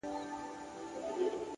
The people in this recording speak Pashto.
علم د راتلونکي جوړولو وسیله ده،